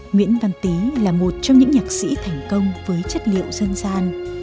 nguyễn văn tý là một trong những nhạc sĩ thành công với chất liệu dân gian